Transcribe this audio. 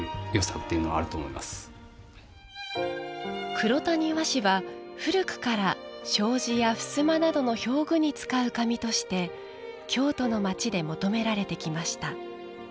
黒谷和紙は古くから障子や、ふすまなどの表具に使う紙として京都の街で求められてきました。